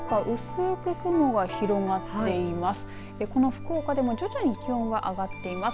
福岡、薄く雲が広がっています。